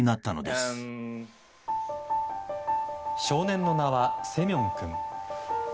少年の名はセミョン君。